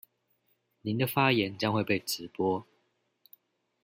您的發言將會被直播